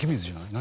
何？